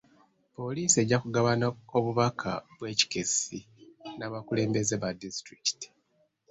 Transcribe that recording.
Poliisi ejja kugabana obubaka bw'ekikessi n'abakulembeze ba disitulikiti.